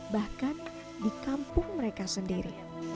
bahkan di kampung mereka sendiri